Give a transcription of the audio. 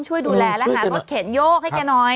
ช่วยดูแลและหารถเข็นโยกให้แกหน่อย